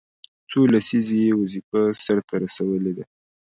څو لسیزې یې وظیفه سرته رسولې ده.